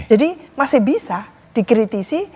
jadi masih bisa dikritisi